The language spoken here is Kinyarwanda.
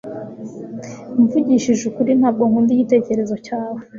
Mvugishije ukuri ntabwo nkunda igitekerezo cyawe